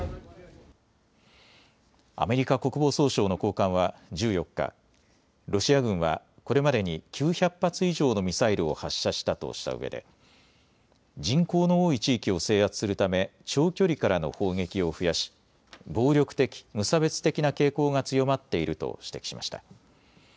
アメリカ国防総省の高官は１４日、ロシア軍はこれまでに９００発以上のミサイルを発射したとしたうえで人口の多い地域を制圧するため長距離からの砲撃を増やし暴力的、無差別的な傾向が強まっていると指摘しました。